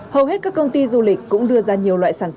hầu hết các công ty du lịch cũng đưa ra nhiều loại sản phẩm